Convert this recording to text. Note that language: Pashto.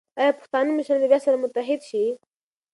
ایا پښتانه مشران به بیا سره متحد شي؟